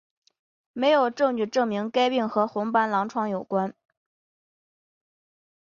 没有证据证明该病和红斑狼疮有关。